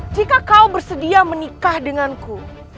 jika kau bersedia menikah denganku